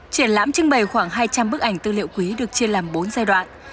triển lãm trưng bày khoảng hai trăm linh bức ảnh tư liệu quý được chia làm bốn giai đoạn